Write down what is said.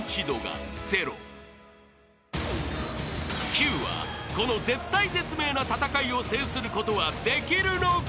［キュウはこの絶体絶命な戦いを制することはできるのか？］